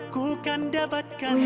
ku kan dapatkan semua